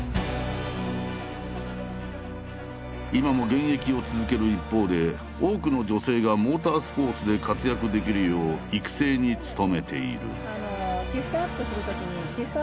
今も現役を続ける一方で多くの女性がモータースポーツで活躍できるよう育成に努めている。